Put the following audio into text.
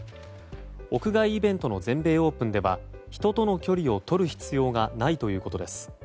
屋外イベントの全米オープンでは人との距離をとる必要がないということです。